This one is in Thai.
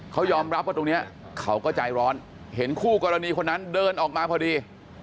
เขายอมรับว่าตรงนี้เขาก็ใจร้อนเห็นคู่กรณีคนนั้นเดินออกมาพอดี